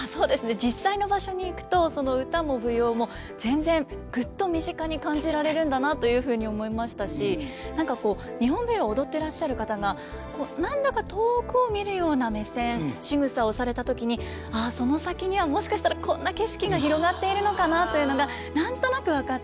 実際の場所に行くとその唄も舞踊も全然グッと身近に感じられるんだなというふうに思いましたし何かこう日本舞踊を踊ってらっしゃる方が何だか遠くを見るような目線しぐさをされた時にああその先にはもしかしたらこんな景色が広がっているのかなというのが何となく分かって。